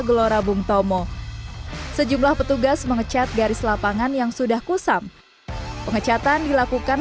gelora bung tomo sejumlah petugas mengecat garis lapangan yang sudah kusam pengecatan dilakukan